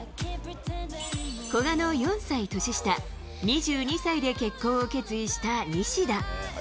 古賀の４歳年下、２２歳で結婚を決意した西田。